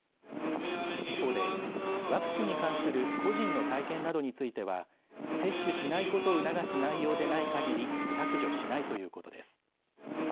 一方でワクチンに関する個人の体験などについては接種しないことを促す内容でないかぎり削除しないということです。